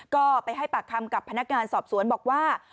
ก็ไปให้ปากคำกับพนักงานสอบสวนบอกว่า